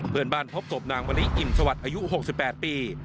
เพื่อนบ้านพบศพนางวันนี้อิ่มสวัสดิ์อายุ๖๘ปี